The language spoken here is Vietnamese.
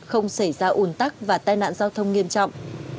không xảy ra ủn tắc và tai nạn giao thông nghiêm trọng